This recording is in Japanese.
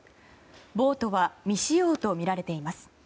ボートは未使用とみられています。